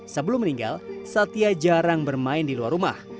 sebelum meninggal satya jarang bermain di luar rumah